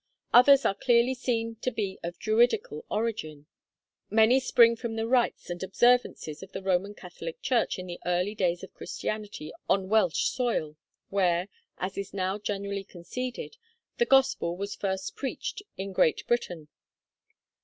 Others are clearly seen to be of Druidical origin. Many spring from the rites and observances of the Roman Catholic Church in the early days of Christianity on Welsh soil where, as is now generally conceded, the Gospel was first preached in Great Britain.